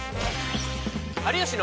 「有吉の」。